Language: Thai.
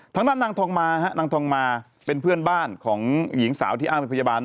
ทางด้านนางทองมาฮะนางทองมาเป็นเพื่อนบ้านของหญิงสาวที่อ้างเป็นพยาบาล